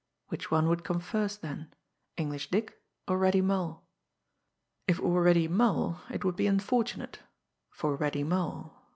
Which one would come first then English Dick, or Reddy Mull? If it were Reddy Mull it would be unfortunate for Reddy Mull.